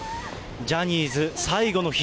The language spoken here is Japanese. ジャニーズ最後の日。